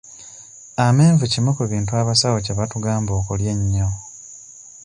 Amenvu kimu ku bintu abasawo kye batugamba okulya ennyo.